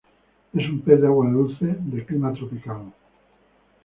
Es un pez de Agua dulce, de clima tropical.